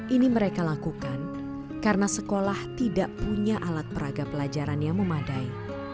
ini mereka lakukan karena sekolah tidak punya alat peraga pelajaran yang memadai